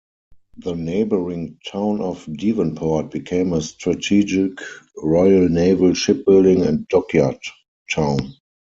The neighbouring town of Devonport became a strategic Royal Naval shipbuilding and dockyard town.